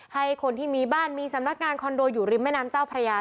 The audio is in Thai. ให้คนที่มีบ้านมีสำนักงานคอนโดอยู่ริมแม่น้ำเจ้าพระยา